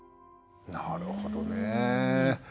なるほどねえ。